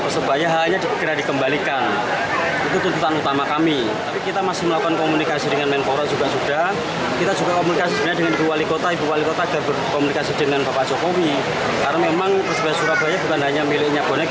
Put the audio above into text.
setua umum pssi